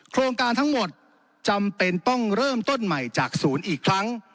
โครงการทั้งหมดจำเป็นต้องเริ่มต้นใหม่จากศูนย์อีกครั้ง